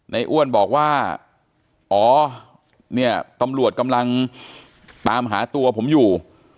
อ้วนบอกว่าอ๋อเนี่ยตำรวจกำลังตามหาตัวผมอยู่